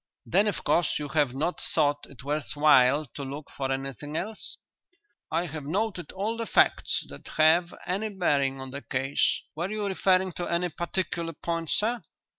"Then, of course, you have not thought it worth while to look for anything else?" "I have noted all the facts that have any bearing on the case. Were you referring to any particular point, sir?"